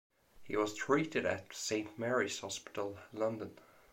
He was treated at Saint Mary's Hospital, London.